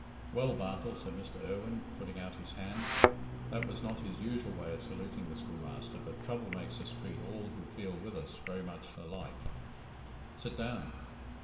"Well, Bartle?" said Mr. Irwine, putting out his hand. That was not his usual way of saluting the schoolmaster, but trouble makes us treat all who feel with us very much alike. "Sit down."